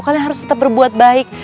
kalian harus tetap berbuat baik